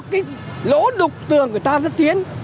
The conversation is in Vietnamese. cái lỗ đục tường của ta ra tiến